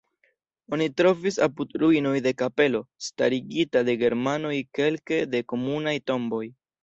Oni trovis apud ruinoj de kapelo starigita de germanoj kelke da komunaj tomboj.